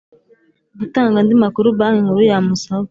gutanga andi makuru Banki Nkuru yamusaba